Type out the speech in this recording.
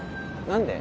何で？